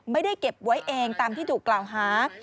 ไม่ได้เก็บไว้เองตามที่ถูกกล่าวหา